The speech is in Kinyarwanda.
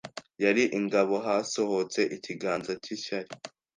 yari ingabo hasohotse ikiganza cyishyari